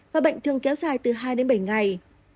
và bệnh thường kéo dài từ hai đến bảy ngày